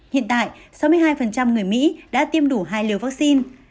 hiện tại sáu mươi hai người mỹ đã tiêm đủ hai liều vaccine